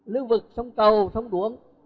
lưu vực sông cầu sông đuống